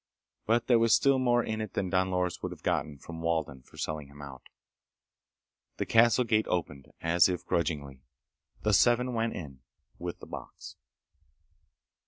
But there was still more in it than Don Loris would have gotten from Walden for selling him out. The castle gate opened, as if grudgingly. The seven went in. With the box.